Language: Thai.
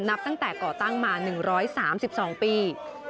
นับตั้งแต่ก่อตั้งมา๑๓๒ปี